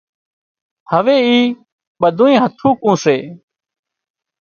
هوي اِي ٻڌونئي هٿُوڪون سي